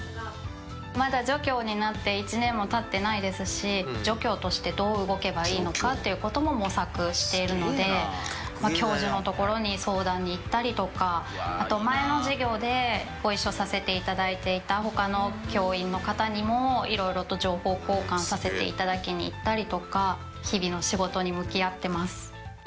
まだ助教になって１年も経ってないですし助教としてどう動けばいいのかっていう事も模索しているので教授の所に相談に行ったりとかあと前の事業でご一緒させていただいていた他の教員の方にもいろいろと情報交換させていただきに行ったりとか日々の仕事に向き合ってます。